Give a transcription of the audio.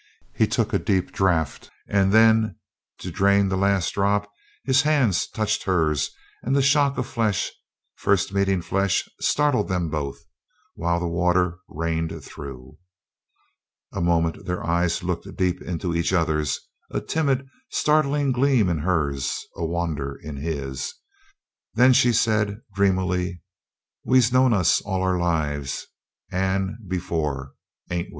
He took a deep draught; and then to drain the last drop, his hands touched hers and the shock of flesh first meeting flesh startled them both, while the water rained through. A moment their eyes looked deep into each other's a timid, startled gleam in hers; a wonder in his. Then she said dreamily: "We'se known us all our lives, and before, ain't we?"